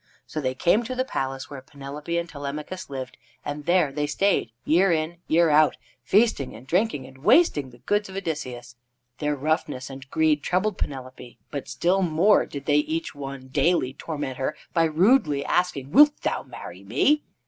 So they came to the palace where Penelope and Telemachus lived, and there they stayed, year in, year out, feasting and drinking and wasting the goods of Odysseus. Their roughness and greed troubled Penelope, but still more did they each one daily torment her by rudely asking: "Wilt thou marry me?"